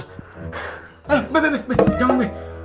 eh bebe bebe jangan be